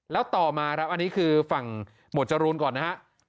แล้วต่อมาครับอันนี้คือฝั่งหมวดจรูนก่อนนะฮะ